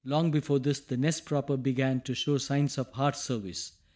Long before this the nest proper began to show signs of hard service.